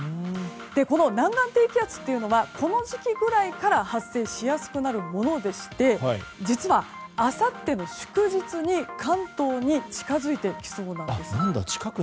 この南岸低気圧というのはこの時期ぐらいから発生しやすくなるものでして実は、あさっての祝日に関東に近づいてきそうなんです。